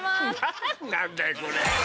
何なんだよこれ。